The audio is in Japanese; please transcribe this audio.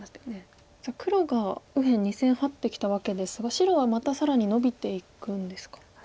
じゃあ黒が右辺２線ハッてきたわけですが白はまた更にノビていくんですか。